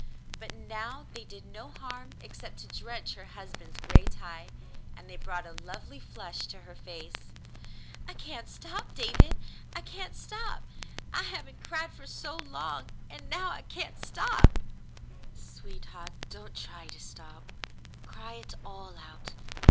But now they did no harm except to drench her husband's gray tie, and they brought a lovely flush to her face. "I can't stop, David; I can't stop. I haven't cried for so long, and now I can't stop." "Sweetheart, don't try to stop. Cry it all out.